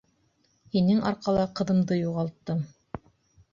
Һинең арҡала ҡыҙымды юғалттым.